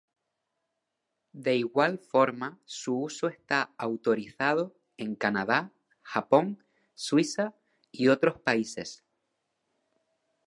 De igual forma su uso está autorizado en Canadá, Japón, Suiza y otros países.